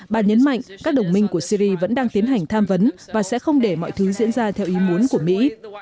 bà nhấn mạnh các đồng minh của syri vẫn đang tiến hành tham vấn và sẽ không để mọi thứ diễn ra theo ý muốn của mỹ